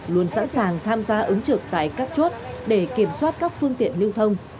luôn sẵn sàng tham gia ứng trực tại các chốt để kiểm soát các phương tiện lưu thông